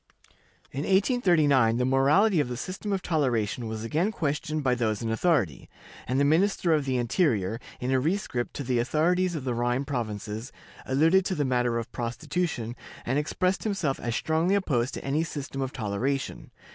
In 1839, the morality of the system of toleration was again questioned by those in authority, and the Minister of the Interior, in a rescript to the authorities of the Rhine provinces, alluded to the matter of prostitution, and expressed himself as strongly opposed to any system of toleration.